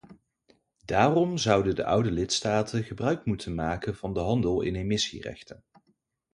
Daarom zouden de oude lidstaten gebruik moeten maken van de handel in emissierechten.